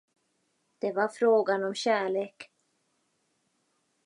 Det var frågan om kärlek.